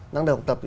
năng động tập